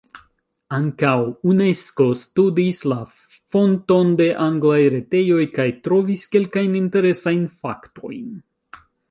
Ankaŭ Unesko studis la fonton de anglaj retejoj, kaj trovis kelkajn interesajn faktojn: